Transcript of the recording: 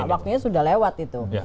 waktunya sudah lewat itu